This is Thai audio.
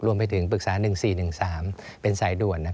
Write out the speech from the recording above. รวมถึงปรึกษา๑๔๑๓เป็นสายด่วน